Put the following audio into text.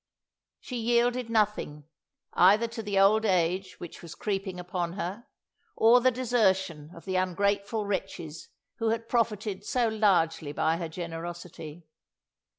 She yielded nothing, either to the old age which was creeping upon her, or the desertion of the ungrateful wretches who had profited so largely by her generosity.